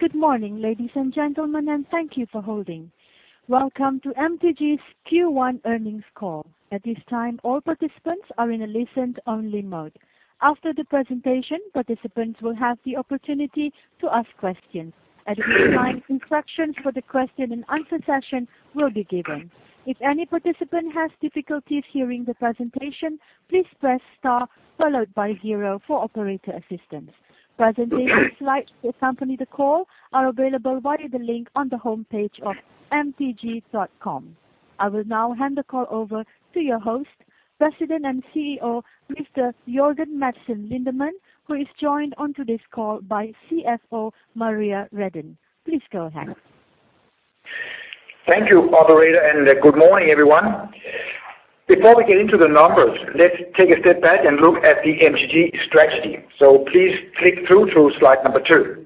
Good morning, ladies and gentlemen, and thank you for holding. Welcome to MTG's Q1 earnings call. At this time, all participants are in a listen-only mode. After the presentation, participants will have the opportunity to ask questions. At this time, instructions for the question and answer session will be given. If any participant has difficulties hearing the presentation, please press star followed by zero for operator assistance. Presentation slides that accompany the call are available via the link on the homepage of mtg.com. I will now hand the call over to your host, President and CEO, Mr. Jørgen Madsen Lindemann, who is joined on to this call by CFO Maria Redin. Please go ahead. Thank you, operator. Good morning, everyone. Before we get into the numbers, let's take a step back and look at the MTG strategy. Please click through to slide number two.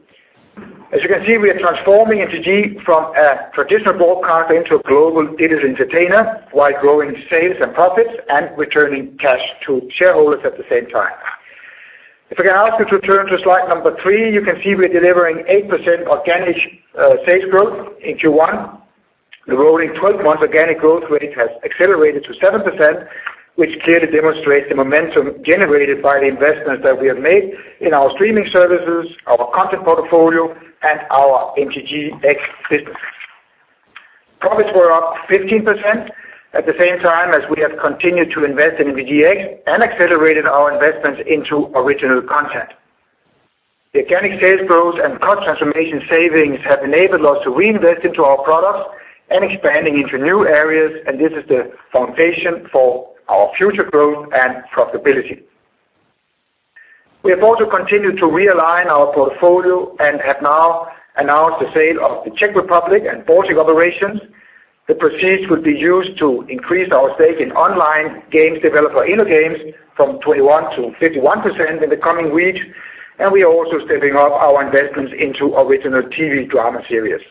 As you can see, we are transforming MTG from a traditional broadcaster into a global digital entertainer while growing sales and profits and returning cash to shareholders at the same time. If I can ask you to turn to slide number three, you can see we're delivering 8% organic sales growth in Q1. The rolling 12 months organic growth rate has accelerated to 7%, which clearly demonstrates the momentum generated by the investments that we have made in our streaming services, our content portfolio, and our MTGx business. Profits were up 15% at the same time as we have continued to invest in MTGx and accelerated our investments into original content. The organic sales growth and cost transformation savings have enabled us to reinvest into our products and expanding into new areas. This is the foundation for our future growth and profitability. We have also continued to realign our portfolio and have now announced the sale of the Czech Republic and Baltic operations. The proceeds will be used to increase our stake in online games developer InnoGames from 21% to 51% in the coming weeks. We are also stepping up our investments into original TV drama series.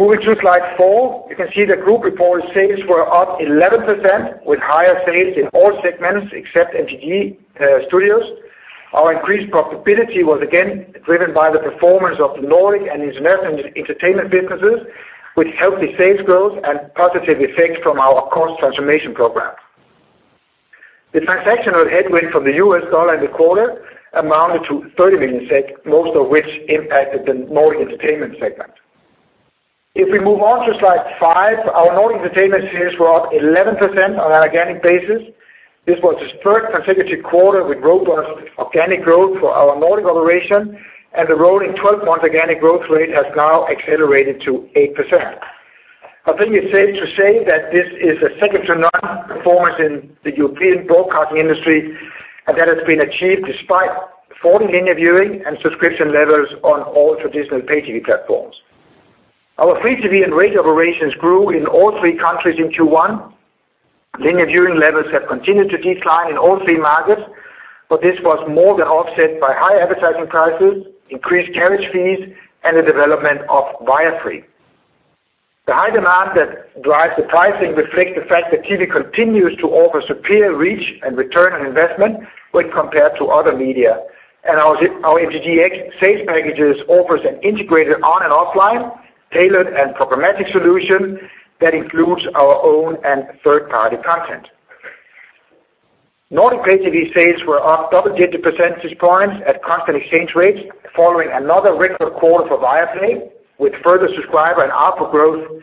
Moving to slide four, you can see the group reported sales were up 11% with higher sales in all segments except MTG Studios. Our increased profitability was again driven by the performance of the Nordic and International entertainment businesses, with healthy sales growth and positive effects from our cost transformation program. The transactional headwind from the US dollar in the quarter amounted to 30 million SEK, most of which impacted the Nordic entertainment segment. If we move on to slide five, our Nordic entertainment sales were up 11% on an organic basis. This was the third consecutive quarter with robust organic growth for our Nordic operation. The rolling 12-month organic growth rate has now accelerated to 8%. I think it's safe to say that this is a second-to-none performance in the European broadcasting industry and that has been achieved despite falling linear viewing and subscription levels on all traditional pay TV platforms. Our free TV and radio operations grew in all three countries in Q1. Linear viewing levels have continued to decline in all three markets, but this was more than offset by high advertising prices, increased carriage fees, and the development of Viafree. The high demand that drives the pricing reflects the fact that TV continues to offer superior reach and return on investment when compared to other media, and our MTGx sales packages offers an integrated on- and offline, tailored and programmatic solution that includes our own and third-party content. Nordic pay TV sales were up double-digit percentage points at constant exchange rates following another record quarter for Viaplay, with further subscriber and ARPU growth.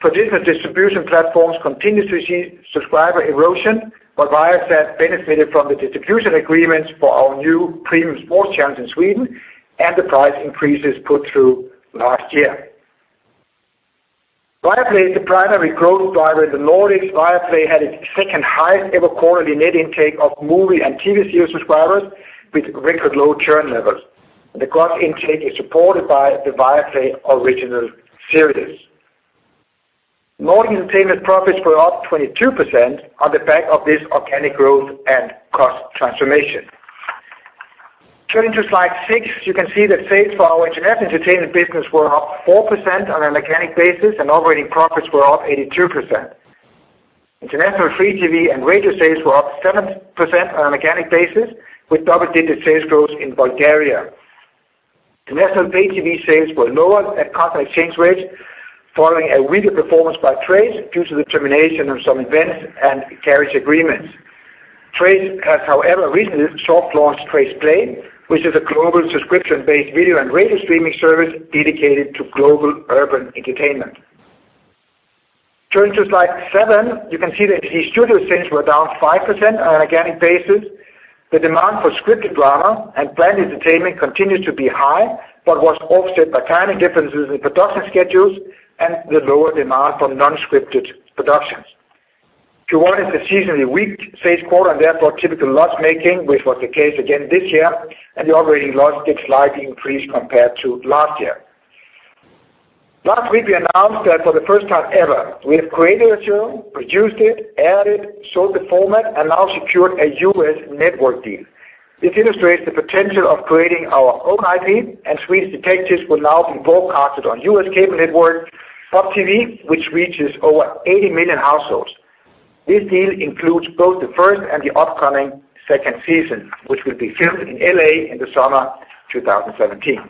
Traditional distribution platforms continue to see subscriber erosion, but Viasat benefited from the distribution agreements for our new premium sports channels in Sweden and the price increases put through last year. Viaplay is the primary growth driver in the Nordics. Viaplay had its second highest ever quarterly net intake of movie and TV series subscribers with record low churn levels. The gross intake is supported by the Viaplay original series. Nordic entertainment profits were up 22% on the back of this organic growth and cost transformation. Turning to slide six, you can see that sales for our international entertainment business were up 4% on an organic basis, and operating profits were up 82%. International free TV and radio sales were up 7% on an organic basis with double-digit sales growth in Bulgaria. International pay TV sales were lower at constant exchange rates following a weaker performance by Trace due to the termination of some events and carriage agreements. Trace has, however, recently soft-launched Trace Play, which is a global subscription-based video and radio streaming service dedicated to global urban entertainment. Turning to slide seven, you can see that MTG Studios sales were down 5% on an organic basis. The demand for scripted drama and planned entertainment continues to be high but was offset by timing differences in production schedules and the lower demand for non-scripted productions. Q1 is a seasonally weak sales quarter and therefore typical loss-making, which was the case again this year, and the operating loss did slightly increase compared to last year. Last week we announced that for the first time ever, we have created a show, produced it, aired it, sold the format, and now secured a U.S. network deal. This illustrates the potential of creating our own IP, and Swedish Dicks will now be broadcasted on U.S. cable network Pop TV, which reaches over 80 million households. This deal includes both the first and the upcoming second season, which will be filmed in L.A. in the summer 2017.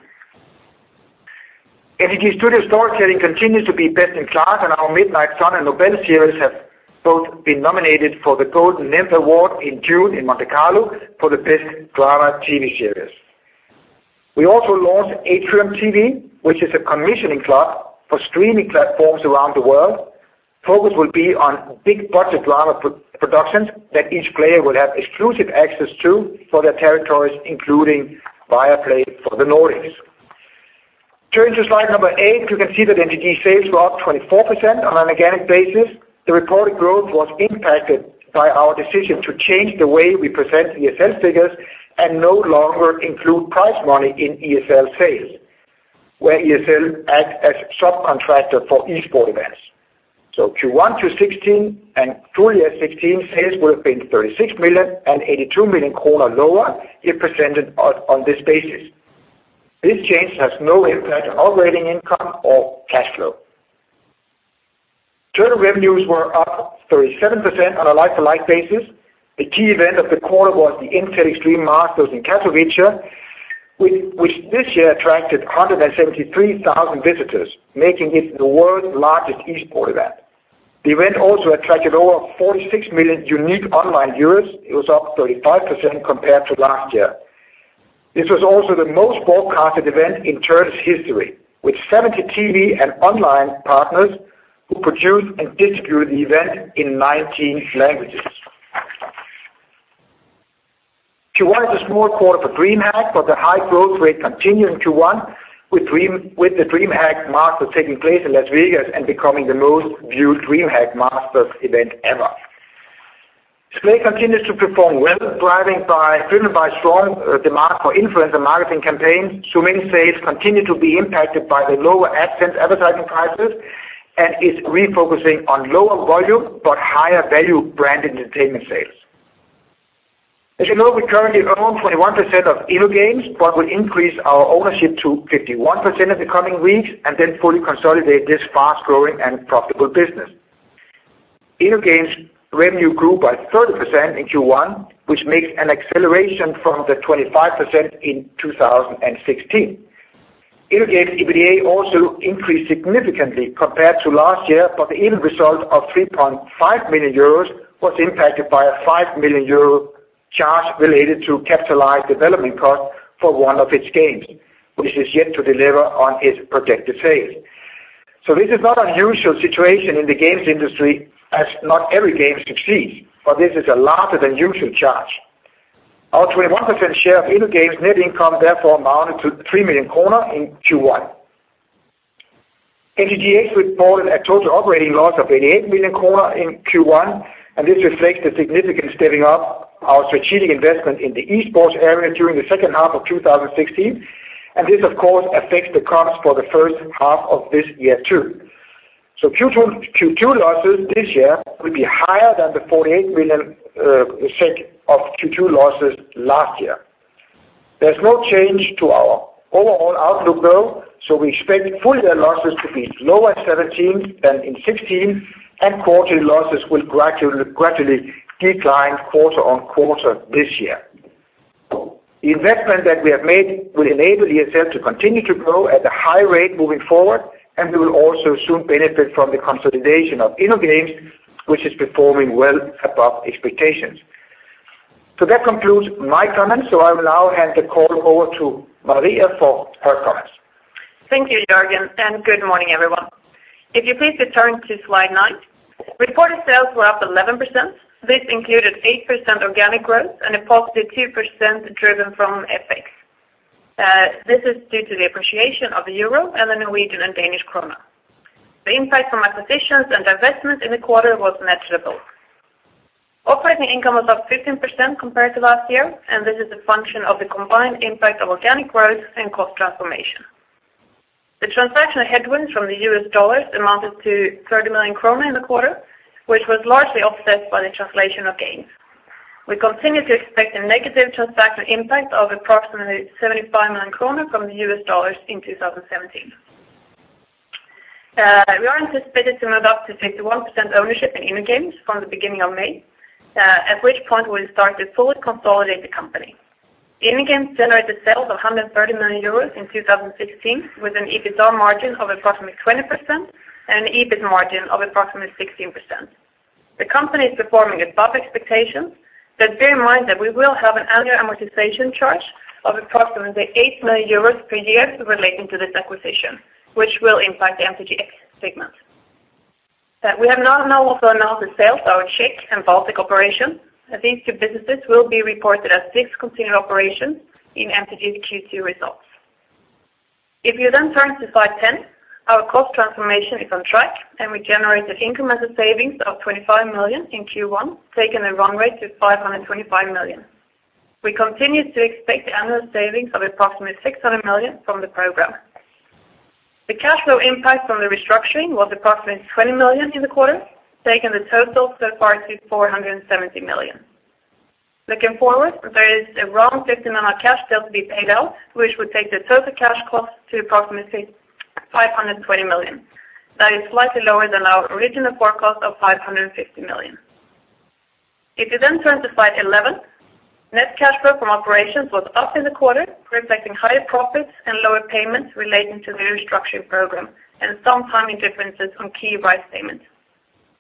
MTG Studios storytelling continues to be best in class, and our "Midnight Sun" and "Nobel" series have both been nominated for the Golden Nymph Award in June in Monte Carlo for the best drama TV series. We also launched AtriumTV, which is a commissioning club for streaming platforms around the world. Focus will be on big-budget drama productions that each player will have exclusive access to for their territories, including Viaplay for the Nordics. Turning to slide number eight, you can see that MTG sales were up 24% on an organic basis. The reported growth was impacted by our decision to change the way we present ESL figures and no longer include prize money in ESL sales, where ESL acts as subcontractor for esports events. So Q1 2016 and full year 2016 sales would have been 36 million and 82 million kronor lower if presented on this basis. This change has no impact on operating income or cash flow. Turtle revenues were up 37% on a like-to-like basis. The key event of the quarter was the Intel Extreme Masters in Katowice, which this year attracted 173,000 visitors, making it the world's largest esports event. The event also attracted over 46 million unique online viewers. It was up 35% compared to last year. This was also the most broadcasted event in Turtle's history, with 70 TV and online partners who produced and distributed the event in 19 languages. Q1 is a small quarter for DreamHack. The high growth rate continued in Q1 with the DreamHack Masters taking place in Las Vegas and becoming the most viewed DreamHack Masters event ever. Splay continues to perform well, driven by strong demand for influencer marketing campaigns. Zoomin.TV sales continue to be impacted by the lower AdSense advertising prices and is refocusing on lower volume but higher value branded entertainment sales. As you know, we currently own 21% of InnoGames. We increased our ownership to 51% in the coming weeks and then fully consolidate this fast-growing and profitable business. InnoGames' revenue grew by 30% in Q1, which makes an acceleration from the 25% in 2016. InnoGames' EBITDA also increased significantly compared to last year. The end result of 3.5 million euros was impacted by a 5 million euro charge related to capitalized development cost for one of its games, which is yet to deliver on its projected sales. This is not unusual situation in the games industry as not every game succeeds. This is a larger than usual charge. Our 21% share of InnoGames net income therefore amounted to 3 million kronor in Q1. MTGx reported a total operating loss of 88 million kronor in Q1. This reflects the significant stepping up our strategic investment in the esports area during the second half of 2016. This, of course, affects the costs for the first half of this year, too. Q2 losses this year will be higher than the 48 million of Q2 losses last year. There's no change to our overall outlook though. We expect full-year losses to be lower 2017 than in 2016, and quarterly losses will gradually decline quarter on quarter this year. The investment that we have made will enable ESL to continue to grow at a high rate moving forward. We will also soon benefit from the consolidation of InnoGames, which is performing well above expectations. That concludes my comments. I will now hand the call over to Maria for her comments. Thank you, Jørgen, and good morning, everyone. If you please turn to slide nine. Reported sales were up 11%. This included 8% organic growth and a positive 2% driven from FX. This is due to the appreciation of the EUR and the Norwegian and Danish kroner. The impact from acquisitions and divestment in the quarter was negligible. Operating income was up 15% compared to last year. This is a function of the combined impact of organic growth and cost transformation. The transactional headwind from the US dollars amounted to 30 million kronor in the quarter, which was largely offset by the translation of gains. We continue to expect a negative transaction impact of approximately 75 million kronor from the US dollars in 2017. We are anticipated to move up to 51% ownership in InnoGames from the beginning of May, at which point we will start to fully consolidate the company. InnoGames generated sales of 130 million euros in 2016 with an EBITDA margin of approximately 20% and an EBIT margin of approximately 16%. The company is performing above expectations. Bear in mind that we will have an annual amortization charge of approximately 8 million euros per year relating to this acquisition, which will impact the MTGx segment. We have now also announced the sale of our Czech and Baltic operations. These two businesses will be reported as discontinued operations in MTG's Q2 results. If you then turn to slide 10, our cost transformation is on track. We generated incremental savings of 25 million in Q1, taking the run rate to 525 million. We continue to expect annual savings of approximately 600 million from the program. The cash flow impact from the restructuring was approximately 20 million in the quarter, taking the total so far to 470 million. Looking forward, there is around 50 million cash still to be paid out, which would take the total cash cost to approximately 520 million. That is slightly lower than our original forecast of 550 million. If you then turn to slide 11, net cash flow from operations was up in the quarter, reflecting higher profits and lower payments relating to the restructuring program and some timing differences on key rights payments.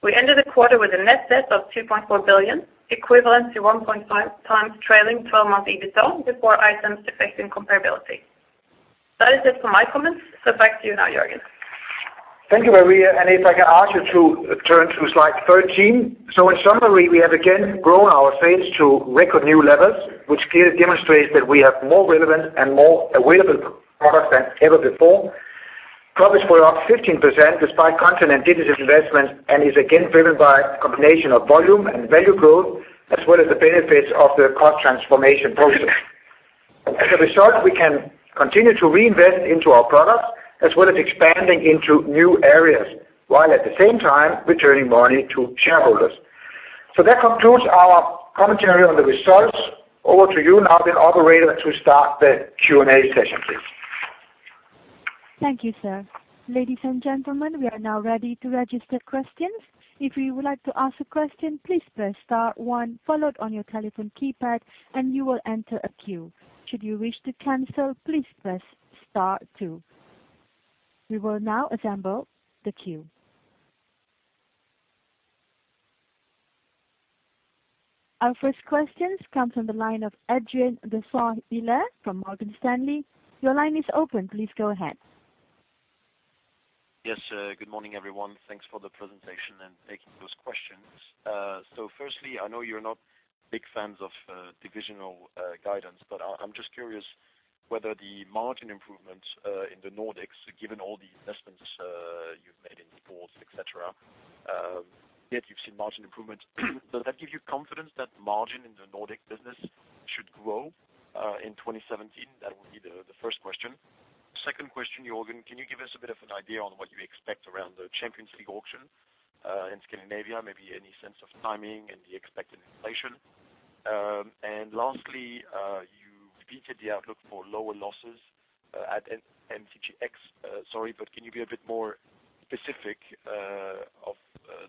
We ended the quarter with a net debt of 2.4 billion, equivalent to 1.5 times trailing 12-month EBITDA before items affecting comparability. That is it for my comments. Back to you now, Jørgen. Thank you, Maria. If I can ask you to turn to slide 13. In summary, we have again grown our sales to record new levels, which clearly demonstrates that we have more relevant and more available products than ever before. Profits were up 15% despite content and digital investments and is again driven by a combination of volume and value growth, as well as the benefits of the cost transformation program. As a result, we can continue to reinvest into our products as well as expanding into new areas, while at the same time returning money to shareholders. That concludes our commentary on the results. Over to you now operator to start the Q&A session, please. Thank you, sir. Ladies and gentlemen, we are now ready to register questions. If you would like to ask a question, please press star one, followed on your telephone keypad, and you will enter a queue. Should you wish to cancel, please press star two. We will now assemble the queue. Our first questions comes from the line of Adrien de Saint Hilaire from Morgan Stanley. Your line is open. Please go ahead. Yes, good morning, everyone. Thanks for the presentation and taking those questions. Firstly, I know you're not big fans of divisional guidance, I'm just curious whether the margin improvements in the Nordics, given all the investments you've made in esports, et cetera, yet you've seen margin improvements. Does that give you confidence that margin in the Nordic business should grow in 2017? That would be the first question. Second question, Jørgen, can you give us a bit of an idea on what you expect around the Champions League auction in Scandinavia? Maybe any sense of timing and the expected inflation. Lastly, you repeated the outlook for lower losses at MTGx. Sorry, can you be a bit more specific of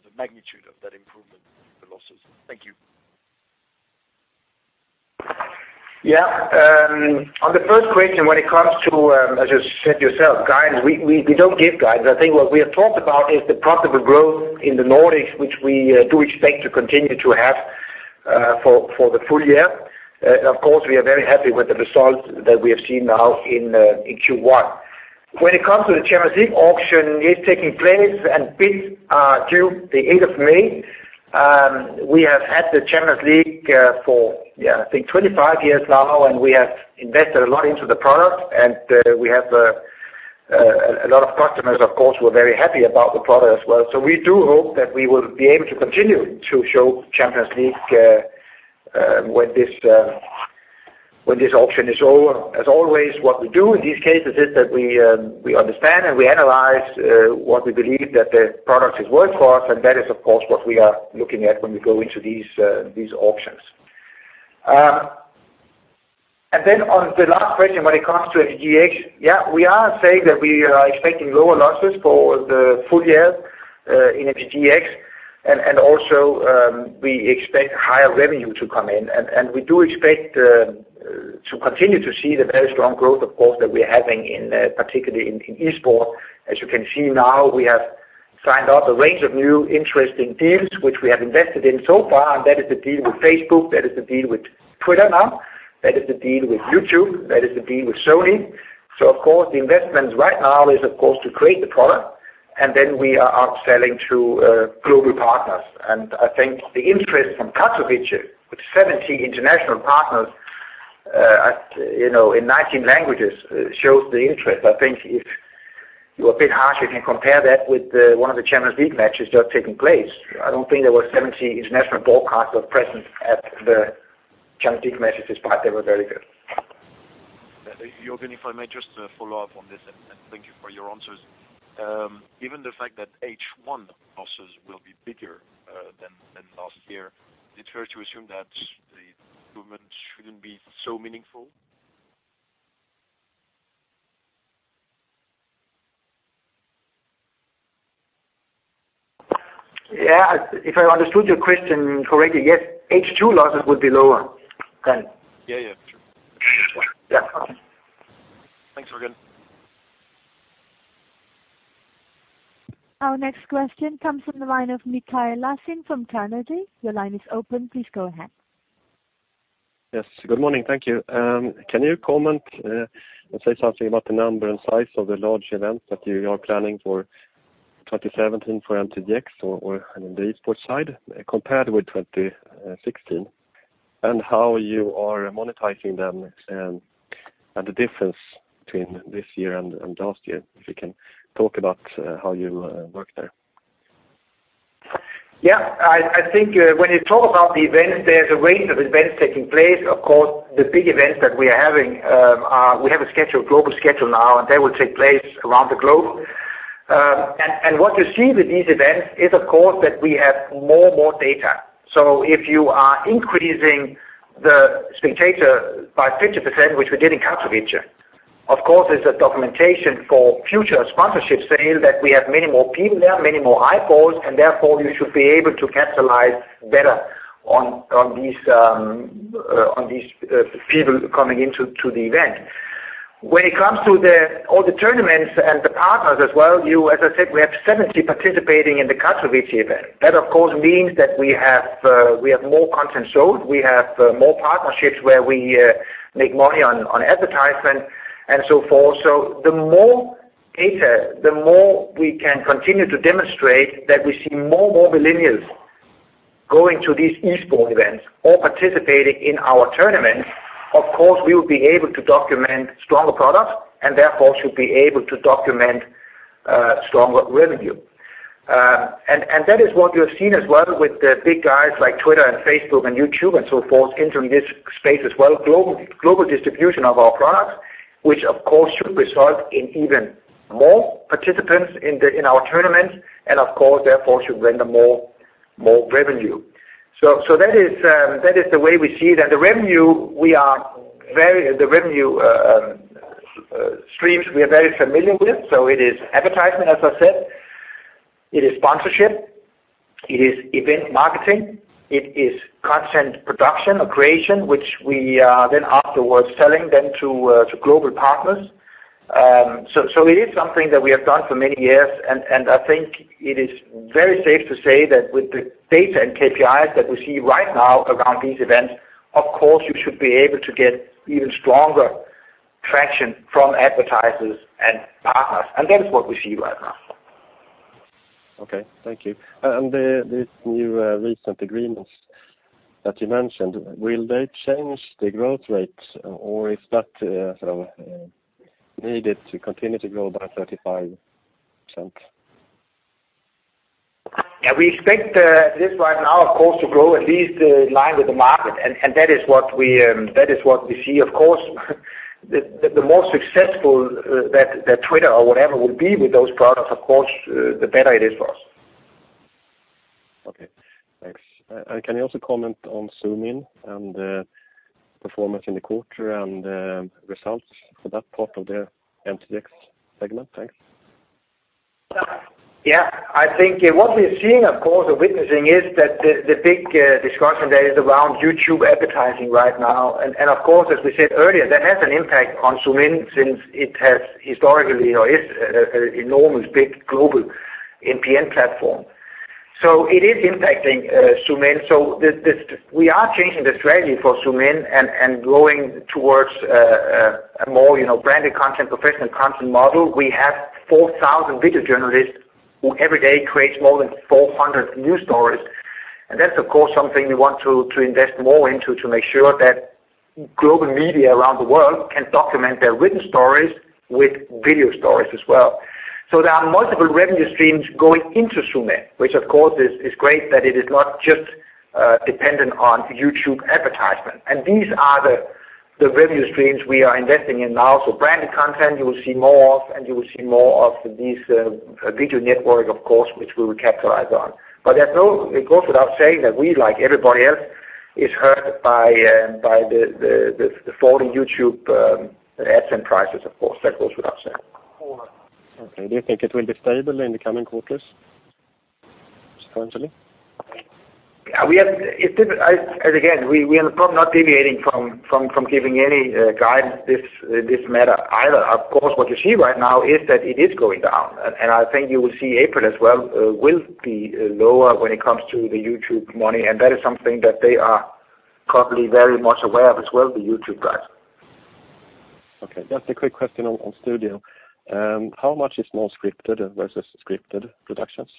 the magnitude of that improvement in the losses? Thank you. On the first question, when it comes to, as you said yourself, guidance, we don't give guidance. I think what we have talked about is the profitable growth in the Nordics, which we do expect to continue to have for the full year. Of course, we are very happy with the results that we have seen now in Q1. When it comes to the Champions League auction is taking place and bids are due the 8th of May. We have had the Champions League for I think 25 years now, and we have invested a lot into the product, and we have a lot of customers, of course, who are very happy about the product as well. We do hope that we will be able to continue to show Champions League when this auction is over. As always, what we do in these cases is that we understand and we analyze what we believe that the product is worth for us, that is, of course, what we are looking at when we go into these auctions. On the last question, when it comes to MTGx, we are saying that we are expecting lower losses for the full year in MTGx. Also, we expect higher revenue to come in. We do expect to continue to see the very strong growth, of course, that we're having in particularly in esports. As you can see now, we have signed up a range of new interesting deals, which we have invested in so far, that is the deal with Facebook, that is the deal with Twitter now, that is the deal with YouTube, that is the deal with Sony. Of course, the investment right now is, of course, to create the product, then we are out selling to global partners. I think the interest from Katowice with 70 international partners in 19 languages shows the interest. I think if you're a bit harsh, you can compare that with one of the Champions League matches that have taken place. I don't think there were 70 international broadcasters present at the Champions League matches, despite they were very good. Jørgen, if I may just follow up on this, thank you for your answers. Given the fact that H1 losses will be bigger than last year, is it fair to assume that the improvement shouldn't be so meaningful? If I understood your question correctly, yes, H2 losses will be lower then. Sure. Yeah. Thanks, Jørgen. Our next question comes from the line of Mikael Laséen from Carnegie. Your line is open. Please go ahead. Yes. Good morning. Thank you. Can you comment and say something about the number and size of the large events that you are planning for 2017 for MTGx or on the esports side compared with 2016, and how you are monetizing them and the difference between this year and last year, if you can talk about how you work there? Yeah. I think when you talk about the events, there's a range of events taking place. Of course, the big events that we are having, we have a global schedule now, and they will take place around the globe. What you see with these events is, of course, that we have more data. If you are increasing the spectator by 50%, which we did in Katowice, of course, it's a documentation for future sponsorship sale that we have many more people there, many more eyeballs, and therefore you should be able to capitalize better on these people coming into the event. When it comes to all the tournaments and the partners as well, as I said, we have 70 participating in the Katowice event. That, of course, means that we have more content showed, we have more partnerships where we make money on advertisement and so forth. The more data, the more we can continue to demonstrate that we see more millennials going to these esports events or participating in our tournaments, of course, we will be able to document stronger products and therefore should be able to document stronger revenue. That is what you have seen as well with the big guys like Twitter and Facebook and YouTube and so forth entering this space as well, global distribution of our products, which, of course, should result in even more participants in our tournaments and, of course, therefore should render more revenue. That is the way we see that. The revenue streams, we are very familiar with. It is advertisement, as I said, it is sponsorship, it is event marketing, it is content production or creation, which we are then afterwards selling then to global partners. It is something that we have done for many years, and I think it is very safe to say that with the data and KPIs that we see right now around these events, of course, you should be able to get even stronger traction from advertisers and partners. That is what we see right now. Okay. Thank you. These new recent agreements that you mentioned, will they change the growth rate or is that sort of needed to continue to grow by 35%? Yeah. We expect this right now, of course, to grow at least in line with the market. That is what we see, of course. The more successful that Twitter or whatever will be with those products, of course, the better it is for us. Okay, thanks. Can you also comment on Zoomin and performance in the quarter and results for that part of the MTGx segment? Thanks. Yeah. I think what we're seeing, of course, or witnessing is that the big discussion there is around YouTube advertising right now. Of course, as we said earlier, that has an impact on Zoomin since it has historically or is an enormous big global MCN platform. It is impacting Zoomin. We are changing the strategy for Zoomin and growing towards a more branded content, professional content model. We have 4,000 video journalists who every day create more than 400 new stories. That's, of course, something we want to invest more into to make sure that global media around the world can document their written stories with video stories as well. There are multiple revenue streams going into Zoomin, which of course, is great that it is not just dependent on YouTube advertisement. These are the revenue streams we are investing in now. Branded content, you will see more of, and you will see more of these video network, of course, which we will capitalize on. It goes without saying that we, like everybody else, is hurt by the falling YouTube ads and prices, of course. That goes without saying. Okay. Do you think it will be stable in the coming quarters? Just generally. Again, we are probably not deviating from giving any guidance this matter either. Of course, what you see right now is that it is going down. I think you will see April as well will be lower when it comes to the YouTube money, and that is something that they are probably very much aware of as well, the YouTube guys. Okay. Just a quick question on studio. How much is more scripted versus scripted productions?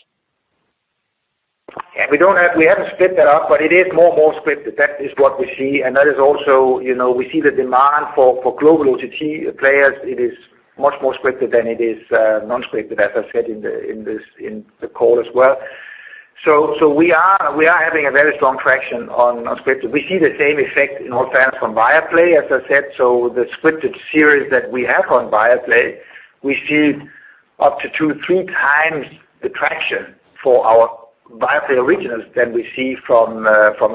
Yeah, we haven't split that up, but it is more scripted. That is what we see. That is also, we see the demand for global OTT players, it is much more scripted than it is non-scripted, as I said in the call as well. We are having a very strong traction on scripted. We see the same effect in all fans from Viaplay, as I said. The scripted series that we have on Viaplay, we see up to two, three times the traction for our Viaplay originals than we see from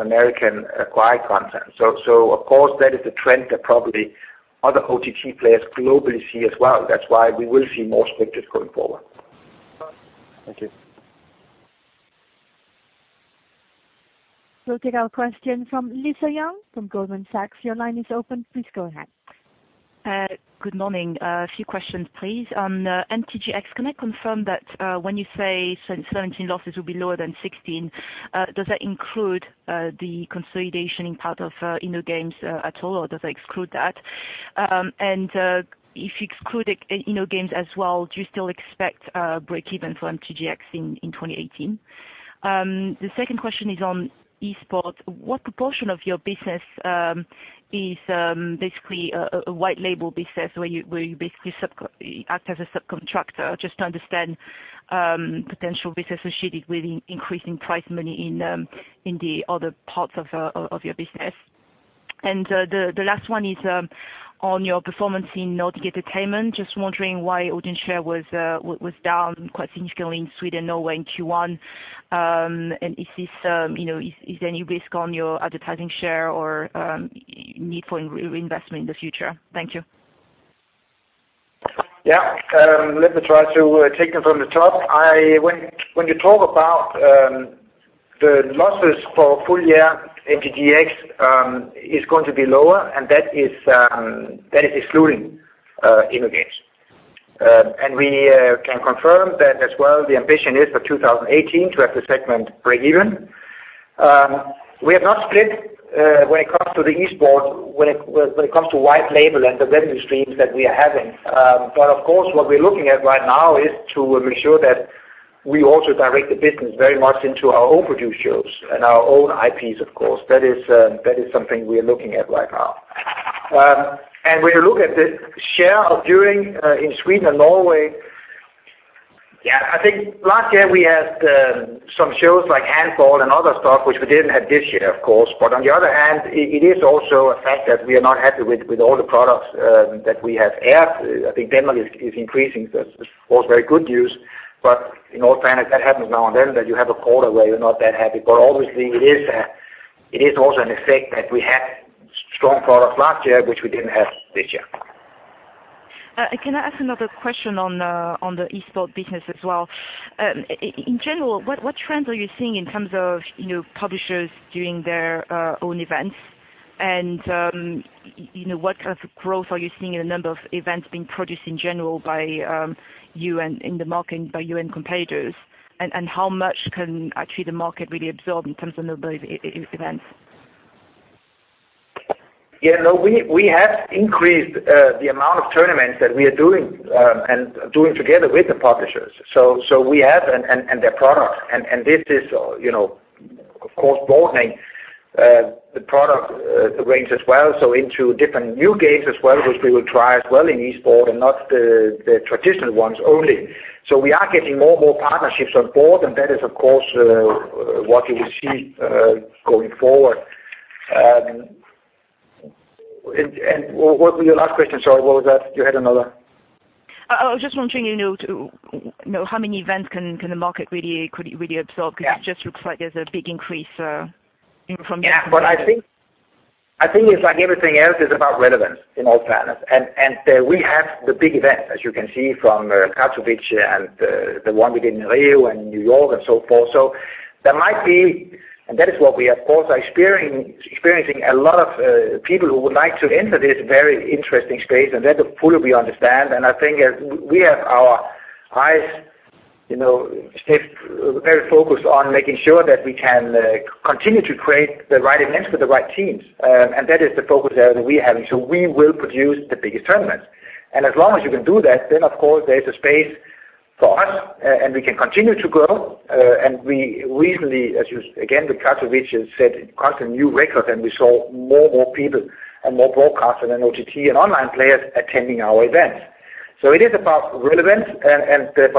American acquired content. Of course, that is a trend that probably other OTT players globally see as well. That's why we will see more scripteds going forward. Thank you. We'll take our question from Lisa Yang from Goldman Sachs. Your line is open. Please go ahead. Good morning. A few questions, please. On MTGx, can I confirm that when you say 2017 losses will be lower than 2016, does that include the consolidation in part of InnoGames at all, or does that exclude that? If you exclude InnoGames as well, do you still expect breakeven for MTGx in 2018? The second question is on esports. What proportion of your business is basically a white label business where you basically act as a subcontractor, just to understand potential risks associated with increasing prize money in the other parts of your business? The last one is on your performance in Nordic Entertainment. Just wondering why audience share was down quite significantly in Sweden, Norway in Q1. Is there any risk on your advertising share or need for reinvestment in the future? Thank you. Yeah. Let me try to take them from the top. When you talk about the losses for full year MTGx is going to be lower and that is excluding InnoGames. We can confirm that as well, the ambition is for 2018 to have the segment break even. We have not split when it comes to the Esports, when it comes to white label and the revenue streams that we are having. Of course, what we're looking at right now is to ensure that we also direct the business very much into our own produced shows and our own IPs, of course. That is something we are looking at right now. When you look at the share of viewing in Sweden and Norway, I think last year we had some shows like handball and other stuff which we didn't have this year, of course. On the other hand, it is also a fact that we are not happy with all the products that we have aired. I think Denmark is increasing, that's, of course, very good news. In all fairness, that happens now and then that you have a quarter where you're not that happy. Obviously it is also an effect that we had strong products last year which we didn't have this year. Can I ask another question on the Esports business as well? In general, what trends are you seeing in terms of publishers doing their own events? What kind of growth are you seeing in the number of events being produced in general by you and in the market by you and competitors? How much can actually the market really absorb in terms of number of events? Yeah, we have increased the amount of tournaments that we are doing and doing together with the publishers and their products, and this is, of course, broadening the product range as well, so into different new games as well, which we will try as well in Esports and not the traditional ones only. We are getting more partnerships on board, and that is, of course, what you will see going forward. What was your last question? Sorry, what was that? You had another. I was just wondering to know how many events can the market really absorb, because it just looks like there's a big increase. Yeah. I think it's like everything else, it's about relevance in all fairness. We have the big events, as you can see from Katowice and the one we did in Rio and New York and so forth. That is what we, of course, are experiencing a lot of people who would like to enter this very interesting space, and that is fully we understand, and I think we have our eyes very focused on making sure that we can continue to create the right events with the right teams. That is the focus that we are having. We will produce the biggest tournaments. As long as you can do that, then of course there is a space for us, and we can continue to grow. We recently, again, with Katowice, set quite a new record and we saw more people and more broadcasts and OTT and online players attending our events. It is about relevance,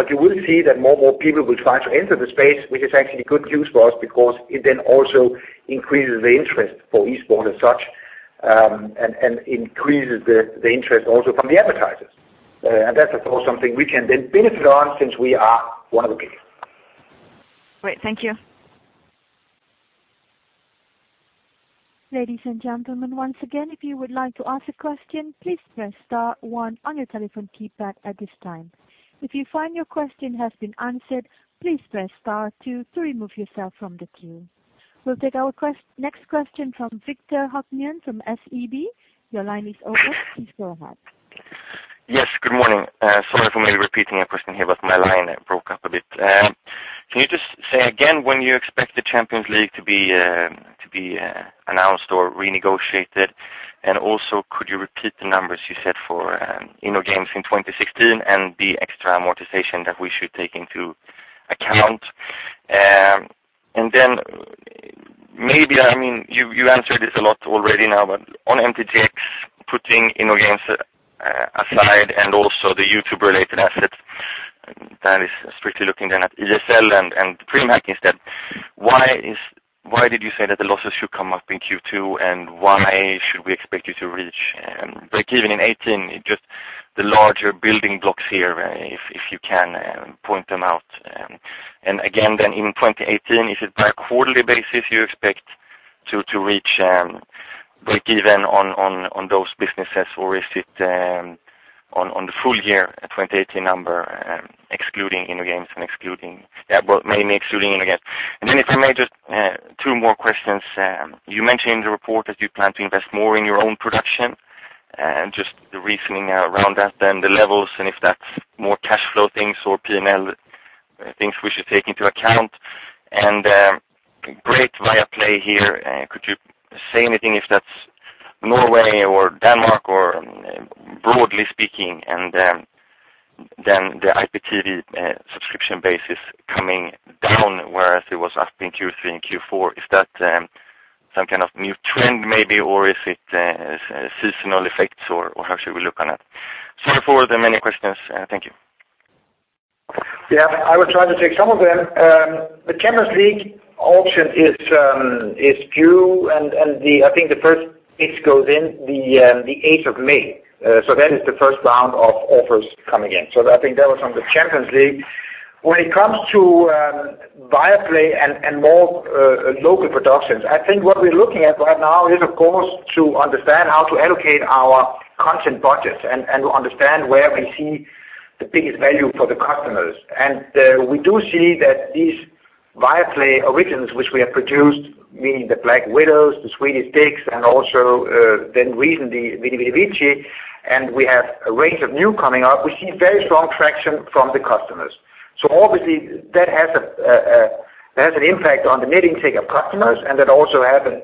you will see that more people will try to enter the space, which is actually good news for us because it then also increases the interest for Esports as such, and increases the interest also from the advertisers. That's, of course, something we can then benefit on since we are one of the big. Great, thank you. Ladies and gentlemen, once again, if you would like to ask a question, please press star one on your telephone keypad at this time. If you find your question has been answered, please press star two to remove yourself from the queue. We'll take our next question from Viktor Höpner from SEB. Your line is open. Please go ahead. Yes, good morning. My line broke up a bit. Can you just say again when you expect the Champions League to be announced or renegotiated? Also could you repeat the numbers you said for InnoGames in 2016 and the extra amortization that we should take into account? Then maybe, you answered this a lot already now, but on MTGx, putting InnoGames aside and also the YouTube related assets that is strictly looking then at ESL and PRIMA instead. Why did you say that the losses should come up in Q2 and why should we expect you to reach breakeven in 2018? Just the larger building blocks here if you can point them out. In 2018, is it by a quarterly basis you expect to reach breakeven on those businesses or is it on the full year 2018 number excluding InnoGames and mainly excluding InnoGames. If I may, just two more questions. You mentioned in the report that you plan to invest more in your own production and just the reasoning around that then the levels and if that's more cash flow things or P&L things we should take into account. Great Viaplay here. Could you say anything if that's Norway or Denmark or broadly speaking and the IPTV subscription base is coming down, whereas it was up in Q3 and Q4. Is that some kind of new trend maybe or is it seasonal effects or how should we look on it? Sorry for the many questions. Thank you. I will try to take some of them. The Champions League auction is due, and I think the first bid goes in the 8th of May. That is the first round of offers coming in. I think that was on the Champions League. When it comes to Viaplay and more local productions, I think what we're looking at right now is, of course, to understand how to allocate our content budgets and to understand where we see the biggest value for the customers. We do see that these Viaplay originals, which we have produced, meaning "The Black Widows," "The Swedish Dicks," and also then recently, "Veni Vidi Vici," and we have a range of new coming up. We see very strong traction from the customers. Obviously, that has an impact on the net intake of customers, and that also has an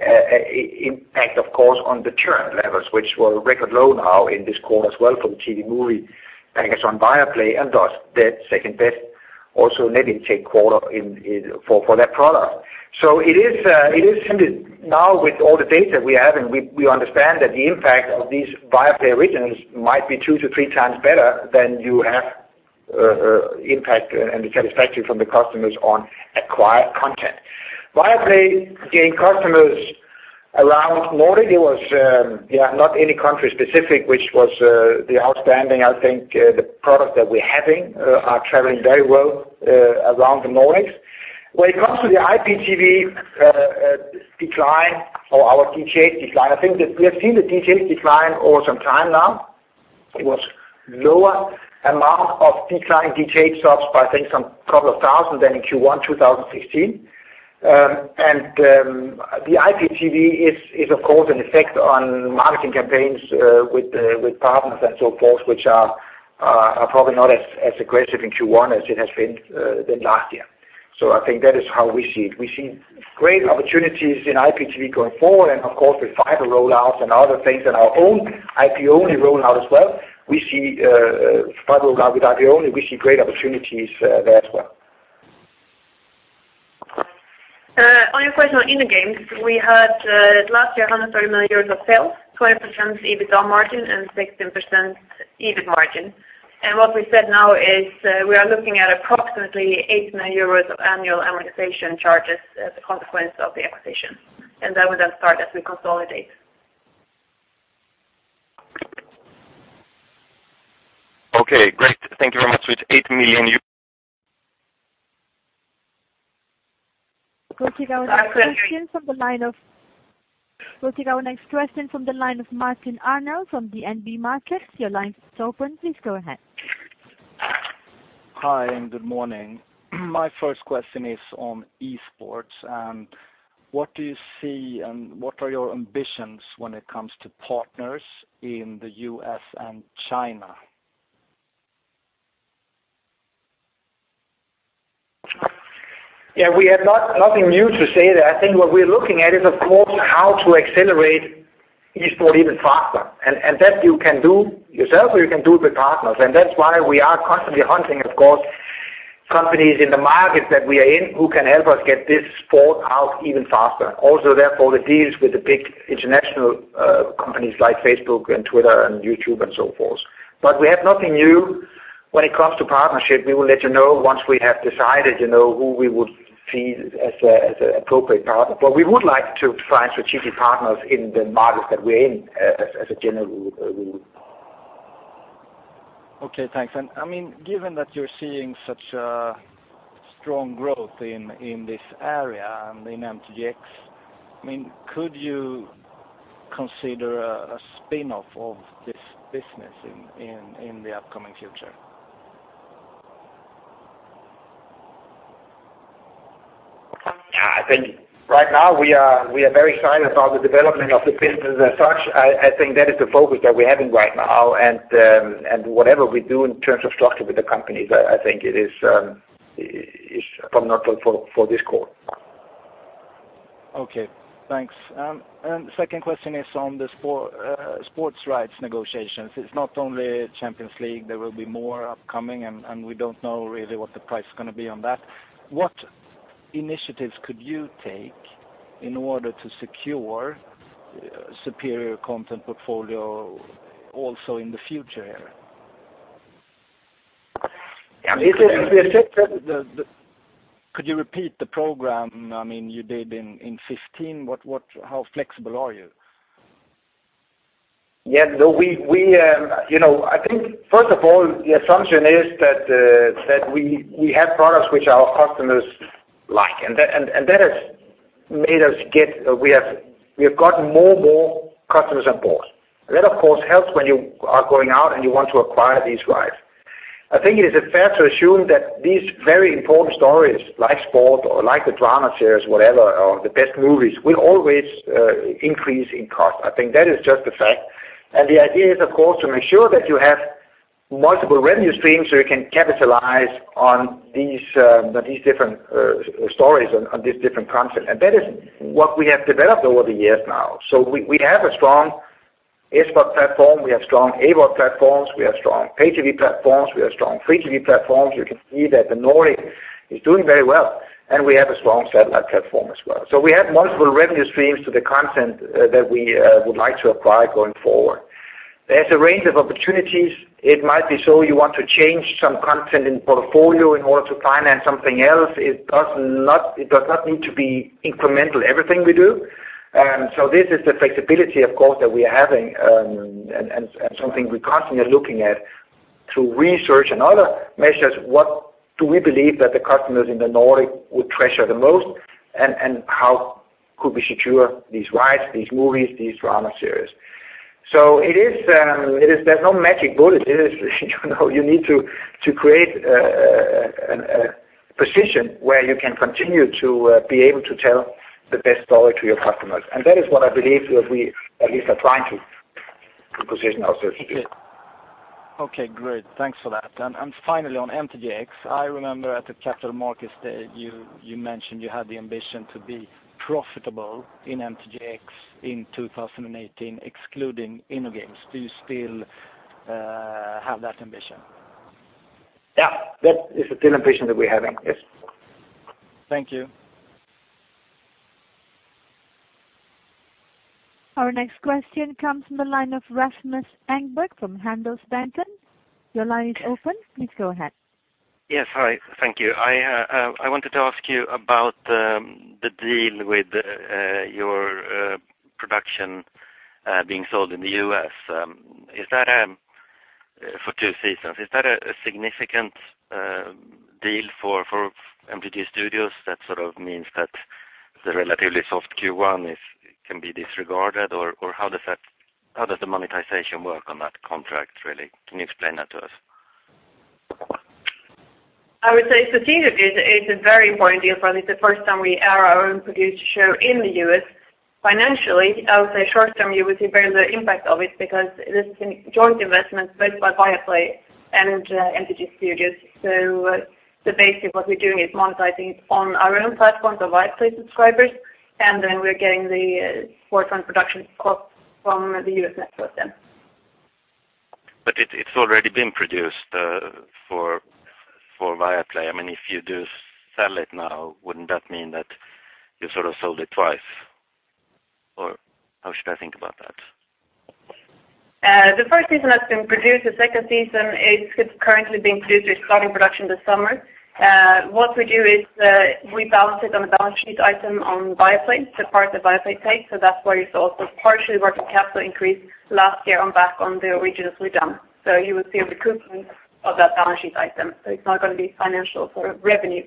impact, of course, on the churn levels, which were record low now in this quarter as well from TV movie package on Viaplay, and thus, second best also net intake quarter for that product. It is now with all the data we have, and we understand that the impact of these Viaplay originals might be two to three times better than you have impact and the satisfaction from the customers on acquired content. Viaplay gained customers around Nordic. It was not any country specific, which was the outstanding, I think, the product that we're having are traveling very well around the Nordics. When it comes to the IPTV decline or our DTH decline, I think that we have seen the DTH decline over some time now. It was lower amount of decline DTH subs by, I think, some couple of thousand than in Q1 2016. The IPTV is, of course, an effect on marketing campaigns with partners and so forth, which are probably not as aggressive in Q1 as it has been last year. I think that is how we see it. We see great opportunities in IPTV going forward and, of course, with fiber rollouts and other things and our own IP-only rollout as well. We see fiber rollout with IP-only. We see great opportunities there as well. On your question on InnoGames, we had last year, 130 million euros of sales, 20% EBITDA margin, and 16% EBIT margin. What we said now is we are looking at approximately 8 million euros of annual amortization charges as a consequence of the acquisition. That would then start as we consolidate. Okay, great. Thank you very much. It's EUR 8 million. We'll take our next question from the line of Martin Arnell from DNB Markets. Your line is open. Please go ahead. Hi, good morning. My first question is on e-sports. What do you see and what are your ambitions when it comes to partners in the U.S. and China? Yeah, we have nothing new to say there. I think what we're looking at is, of course, how to accelerate esports even faster, and that you can do yourself or you can do with partners. That's why we are constantly hunting, of course, companies in the market that we are in who can help us get this sport out even faster. Also, therefore, the deals with the big international companies like Facebook and Twitter and YouTube and so forth. We have nothing new when it comes to partnership. We will let you know once we have decided who we would see as an appropriate partner. We would like to find strategic partners in the markets that we're in as a general rule. Okay, thanks. Given that you're seeing such a strong growth in this area and in MTGx, could you consider a spin-off of this business in the upcoming future? I think right now we are very excited about the development of the business as such. I think that is the focus that we're having right now. Whatever we do in terms of structure with the companies, I think it is probably not for this quarter. Okay, thanks. Second question is on the sports rights negotiations. It's not only Champions League, there will be more upcoming, and we don't know really what the price is going to be on that. What initiatives could you take in order to secure superior content portfolio also in the future here? We have taken. Could you repeat the program you did in 2015? How flexible are you? I think, first of all, the assumption is that we have products which our customers like, and that has made us We have gotten more customers on board. That, of course, helps when you are going out and you want to acquire these rights. I think it is fair to assume that these very important stories, like sport or like the drama series, whatever, or the best movies, will always increase in cost. I think that is just a fact. The idea is, of course, to make sure that you have multiple revenue streams so you can capitalize on these different stories, on this different content. That is what we have developed over the years now. We have a strong SVOD platform, we have strong AVOD platforms, we have strong pay TV platforms, we have strong free TV platforms. You can see that the Nordic is doing very well. We have a strong satellite platform as well. We have multiple revenue streams to the content that we would like to acquire going forward. There's a range of opportunities. It might be so you want to change some content in portfolio in order to finance something else. It does not need to be incremental, everything we do. This is the flexibility, of course, that we are having and something we're constantly looking at through research and other measures, what do we believe that the customers in the Nordic would treasure the most, and how could we secure these rights, these movies, these drama series. There's no magic bullet. You need to create a position where you can continue to be able to tell the best story to your customers. That is what I believe we at least are trying to position ourselves to do. Okay, great. Thanks for that. Finally on MTGx, I remember at the Capital Markets Day, you mentioned you had the ambition to be profitable in MTGx in 2018, excluding InnoGames. Do you still have that ambition? Yeah. That is still an ambition that we're having. Yes. Thank you. Our next question comes from the line of Rasmus Engberg from Handelsbanken. Your line is open. Please go ahead. Yes, hi. Thank you. I wanted to ask you about the deal with your production being sold in the U.S. for two seasons. Is that a significant deal for MTG Studios that sort of means that the relatively soft Q1 can be disregarded, or how does the monetization work on that contract, really? Can you explain that to us? I would say strategically, it's a very important deal for us. It's the first time we air our own produced show in the U.S. Financially, I would say short term, you will see very little impact of it because it is a joint investment made by Viaplay and MTG Studios. Basically what we're doing is monetizing it on our own platform, the Viaplay subscribers, and then we're getting the forefront production cost from the U.S. network then. It's already been produced for Viaplay. If you do sell it now, wouldn't that mean that you sort of sold it twice? How should I think about that? The first season has been produced. The second season is currently being produced. We're starting production this summer. What we do is, we balance it on a balance sheet item on Viaplay, the part that Viaplay takes. That's why you saw some partially working capital increase last year on the original Sweden. You would see a recoupment of that balance sheet item, so it's not going to be financial revenue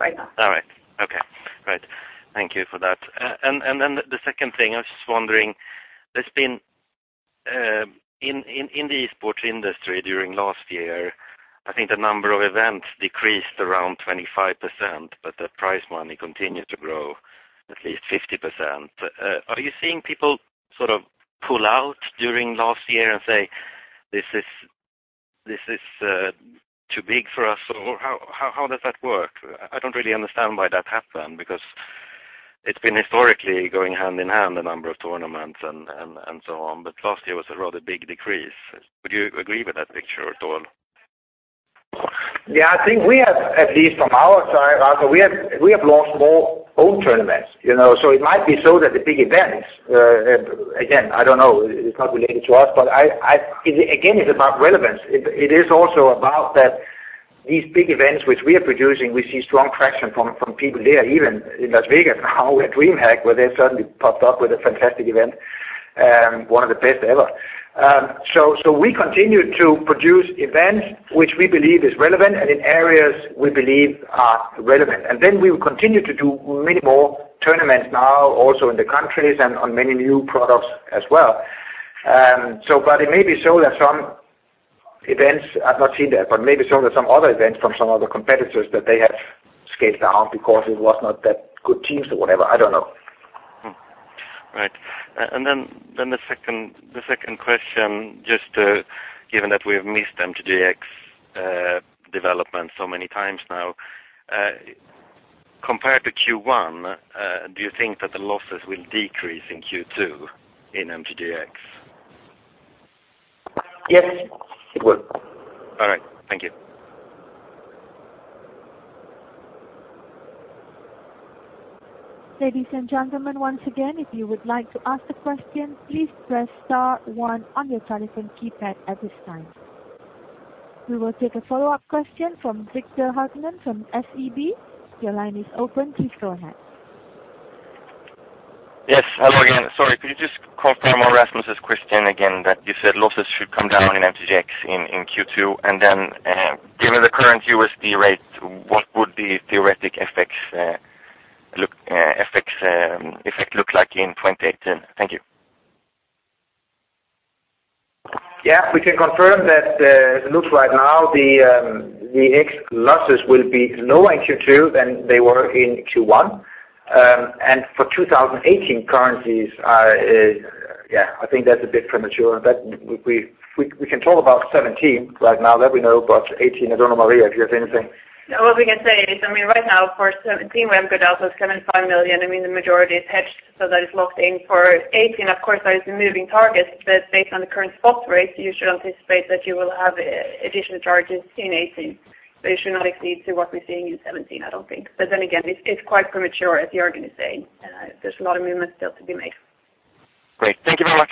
right now. All right. Okay, great. Thank you for that. The second thing, I was just wondering, in the esports industry during last year, I think the number of events decreased around 25%, but the prize money continued to grow at least 50%. Are you seeing people sort of pull out during last year and say, "This is too big for us," or how does that work? I don't really understand why that happened, because it's been historically going hand in hand, the number of tournaments and so on. Last year was a rather big decrease. Would you agree with that picture at all? Yeah, I think we have, at least from our side, Rasmus, we have launched more own tournaments. It might be so that the big events, again, I don't know, it's not related to us, but again, it's about relevance. It is also about that these big events which we are producing, we see strong traction from people there, even in Las Vegas now with DreamHack, where they suddenly popped up with a fantastic event, one of the best ever. We continue to produce events which we believe is relevant and in areas we believe are relevant. We will continue to do many more tournaments now also in the countries and on many new products as well. It may be so that some events, I've not seen that, but maybe shown that some other events from some other competitors, that they have scaled down because it was not that good teams or whatever. I don't know. Right. Then the second question, just given that we have missed MTGx development so many times now, compared to Q1, do you think that the losses will decrease in Q2 in MTGx? Yes, it will. All right. Thank you. Ladies and gentlemen, once again, if you would like to ask a question, please press star one on your telephone keypad at this time. We will take a follow-up question from Viktor Höpner from SEB. Your line is open. Please go ahead. Yes, hello again. Sorry, could you just confirm on Rasmus's question again that you said losses should come down in MTGx in Q2? Given the current USD rate, what would the theoretic effect look like in 2018? Thank you. Yeah, we can confirm that as it looks right now, the MTGx losses will be lower in Q2 than they were in Q1. For 2018 currencies, I think that's a bit premature. We can talk about 2017 right now, that we know. 2018, I don't know, Maria, if you have anything. All we can say is, right now for 2017, we have guidance of 75 million. The majority is hedged, so that is locked in. For 2018, of course, that is a moving target, but based on the current spot rate, you should anticipate that you will have additional charges in 2018. They should not exceed to what we're seeing in 2017, I don't think. It's quite premature, as Jørgen is saying. There's a lot of movements still to be made. Great. Thank you very much.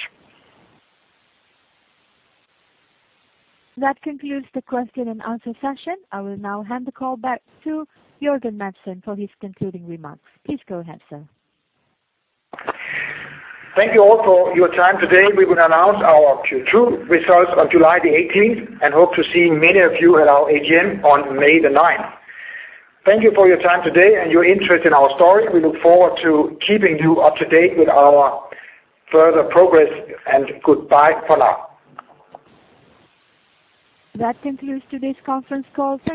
That concludes the question and answer session. I will now hand the call back to Jørgen Madsen for his concluding remarks. Please go ahead, sir. Thank you all for your time today. We will announce our Q2 results on July the 18th and hope to see many of you at our AGM on May the 9th. Thank you for your time today and your interest in our story. We look forward to keeping you up to date with our further progress. Goodbye for now. That concludes today's conference call. Thank you.